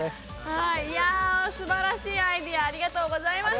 いやぁすばらしいアイデアありがとうございました！